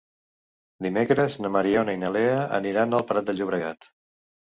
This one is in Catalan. Dimecres na Mariona i na Lea aniran al Prat de Llobregat.